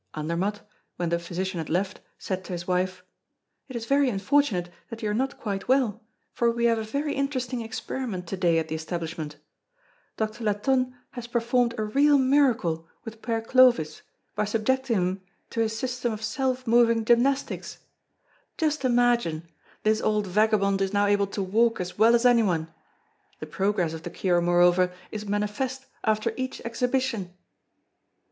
Andermatt, when the physician had left, said to his wife: "It is very unfortunate that you are not quite well, for we have a very interesting experiment to day at the establishment. Doctor Latonne has performed a real miracle with Père Clovis by subjecting him to his system of self moving gymnastics. Just imagine! This old vagabond is now able to walk as well as anyone. The progress of the cure, moreover, is manifest after each exhibition!"